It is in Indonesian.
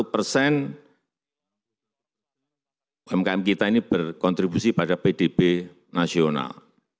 dua puluh persen umkm kita ini berkontribusi pada pdb nasional